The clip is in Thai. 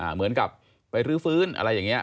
เหมือนกับไปรื้อฟื้นอะไรอย่างนี้